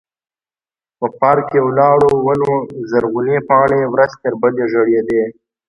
په پارک کې ولاړو ونو زرغونې پاڼې ورځ تر بلې ژړېدې.